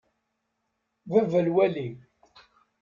Baba lwali.